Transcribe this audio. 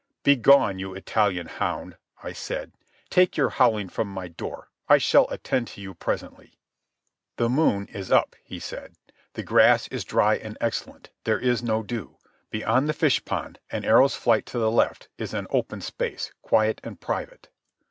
"Begone, you Italian hound," I said. "Take your howling from my door. I shall attend to you presently." "The moon is up," he said. "The grass is dry and excellent. There is no dew. Beyond the fish pond, an arrow's flight to the left, is an open space, quiet and private."